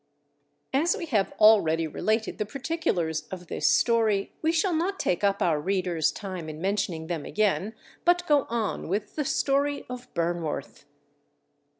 As we have already related the particulars of this story, we shall not take up our reader's time in mentioning them again, but go on with the story of Burnworth.